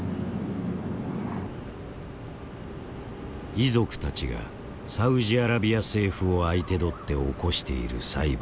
遺族たちがサウジアラビア政府を相手取って起こしている裁判。